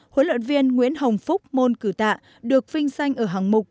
huấn luyện viên nguyễn hồng phúc môn cử tạ được vinh danh ở hạng mục